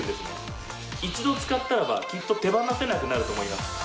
一度使ったらばきっと手放せなくなると思います。